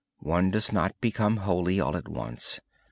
One does not become holy all at once.